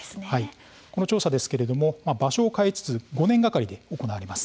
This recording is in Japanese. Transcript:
この調査、場所を変えつつ５年がかりで行われます。